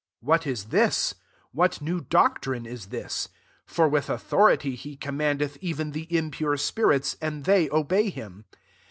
" What is this ? what new doctrine is this ? for with au thority he commandeth even the impure spirits, and they obey him."